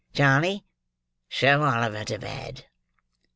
Charley, show Oliver to bed."